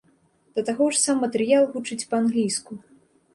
Да таго ж, сам матэрыял гучыць па-англійску.